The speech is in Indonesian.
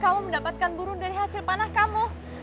kamu mendapatkan burung dari hasil panah kamu